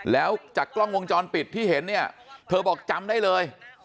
แล้วจากกล้องวงจรปิดที่เห็นเนี่ยเธอบอกจำได้เลย